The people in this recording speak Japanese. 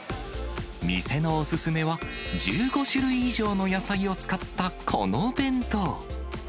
店のお勧めは、１５種類以上の野菜を使ったこのお弁当。